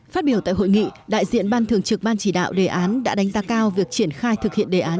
phát biểu tại hội nghị đại diện ban thường trực ban chỉ đạo đề án đã đánh giá cao việc triển khai thực hiện đề án